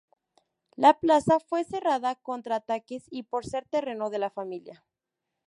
La plaza fue cercada contra ataques, y por ser terreno de la familia.